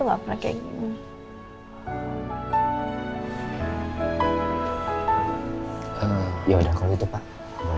gak usah keluar